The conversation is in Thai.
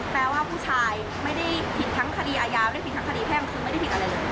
แปลว่าผู้ชายไม่ได้ผิดทั้งคดีอาญาไม่ได้ผิดทั้งคดีแพ่งคือไม่ได้ผิดอะไรเลย